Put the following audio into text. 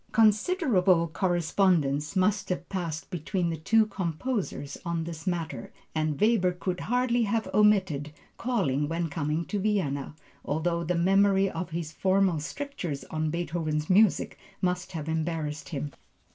Considerable correspondence must have passed between the two composers on this matter, and Weber could hardly have omitted calling when coming to Vienna, although the memory of his former strictures on Beethoven's music must have embarrassed him.